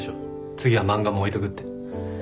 次は漫画も置いとくって。